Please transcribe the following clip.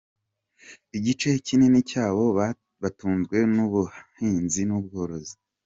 Igice kinini cyabo batunzwe n’ubuhinzi n’ubworozi.